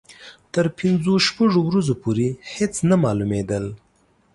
تر پنځو شپږو ورځو پورې هېڅ نه معلومېدل.